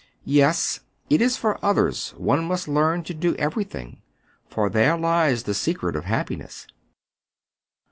" Yes, it is for others one must learn to do every thing ; for there lies the secret of happiness."